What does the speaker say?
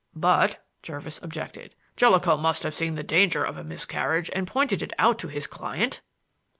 "But," Jervis objected, "Jellicoe must have seen the danger of a miscarriage and pointed it out to his client."